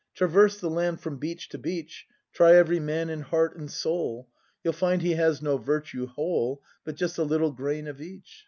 Traverse the land from beach to beach. Try every man in heart and soul. You'll find he has no virtue whole. But just a little grain of each.